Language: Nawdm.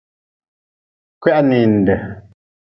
Kwihaninde.